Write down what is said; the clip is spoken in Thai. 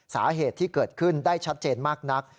สาเหตุที่เกิดขึ้นได้ชัดเจนมากนัก